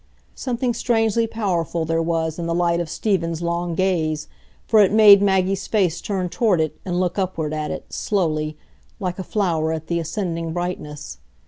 Something strangely powerful there was in the light of Stephen's long gaze, for it made Maggie's face turn toward it and look upward at it, slowly, like a flower at the ascending brightness.